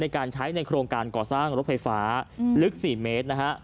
ในการใช้ในโครงการก่อสร้างรถไฟฟ้าลึก๔เมตรนะฮะ